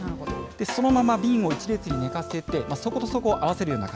そのまま瓶を１列に寝かせて、底と底を合わせるような形。